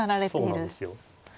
そうなんですよ。